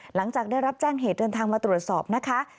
หลังจากได้รับแจ้งเหตุเดินทางมาตรวจสอบนะคะ